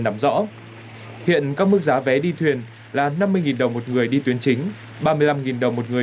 nắm rõ hiện các mức giá vé đi thuyền là năm mươi đồng một người đi tuyến chính ba mươi năm đồng một người